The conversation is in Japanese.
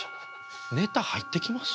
ネタ入ってきます？